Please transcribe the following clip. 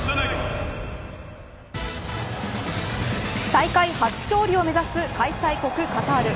大会初勝利を目指す開催国カタール。